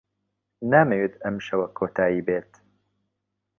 نامەوێت ئەم شەوە کۆتایی بێت.